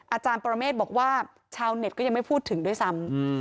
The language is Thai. อาจารย์ปรเมฆบอกว่าชาวเน็ตก็ยังไม่พูดถึงด้วยซ้ำ